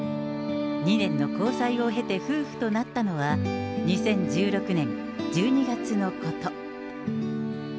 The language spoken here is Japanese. ２年の交際を経て夫婦となったのは、２０１６年１２月のこと。